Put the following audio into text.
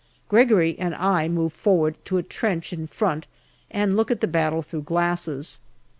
Gregory and I move forward to a trench in front and look at the battle through glasses.